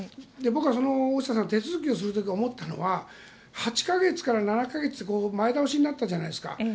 僕は大下さん手続きをする時思ったのは８か月から７か月に前倒しになったじゃないですか。